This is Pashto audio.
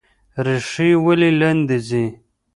ریښې ولې لاندې ځي؟